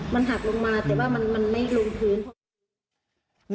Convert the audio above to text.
มันหักลงมาแต่ว่ามันไม่ลงพื้นเพราะ